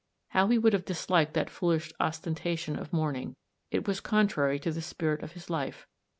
How he would have disliked that foolish ostentation of mourning ; it was contrary to the spirit of his life.